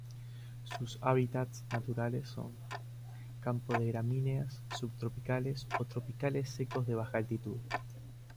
Sus hábitats naturales son: campos de gramíneas subtropicales o tropicales secos de baja altitud.